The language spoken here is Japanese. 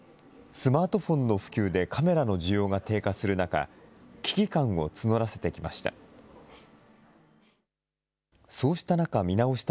スマートフォンの普及でカメラの需要が低下する中、危機感を募らせてきました。